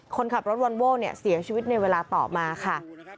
คนขับรถวอนโว้เนี่ยเสียชีวิตในเวลาต่อมาค่ะ